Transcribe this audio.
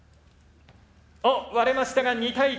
割れましたが２対１。